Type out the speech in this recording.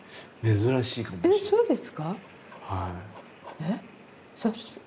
えそうですか？